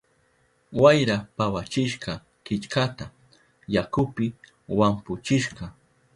Wayra pawachishka killkata, yakupi wampuchishka.